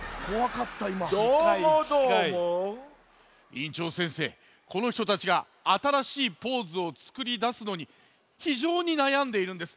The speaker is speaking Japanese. いんちょうせんせいこのひとたちがあたらしいポーズをつくりだすのにひじょうになやんでいるんです。